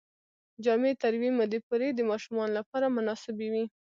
جامې تر یوې مودې پورې د ماشوم لپاره مناسبې وي.